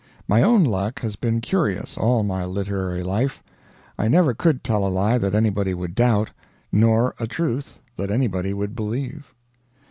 My own luck has been curious all my literary life; I never could tell a lie that anybody would doubt, nor a truth that anybody would believe.